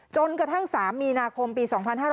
จนกระทั่ง๓มีนาคมปี๒๕๕๙